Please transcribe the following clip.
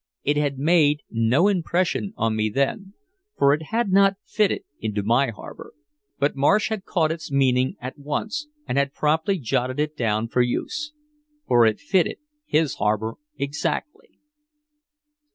It had made no impression on me then, for it had not fitted into my harbor. But Marsh had caught its meaning at once and had promptly jotted it down for use. For it fitted his harbor exactly.